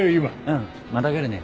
うんまた来るね。